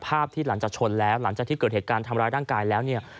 ภาพที่หลังจากชนแล้วหลังจากที่เกิดเหตุการณ์ทำร้ายร่างกายแล้วเนี่ย